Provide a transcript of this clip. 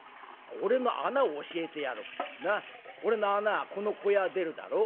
なっ俺の穴はこの小屋出るだろう？